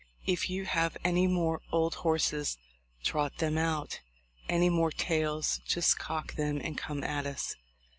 289 If you have any more old horses, trot them out; any more tails, just cock them and come at us.